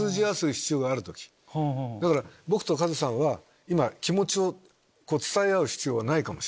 だから僕とカズさんは今気持ちを伝え合う必要はないかもしれない。